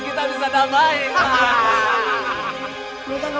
kita bisa kebangkang